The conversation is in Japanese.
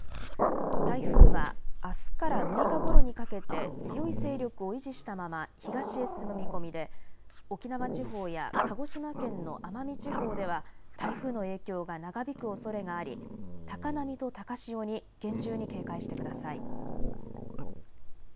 台風はあすから６日ごろにかけて強い勢力を維持したまま東へ進む見込みで、沖縄地方や鹿児島県の奄美地方では台風の影響が長引くおそれがあり高波と高潮に厳重に警戒してください。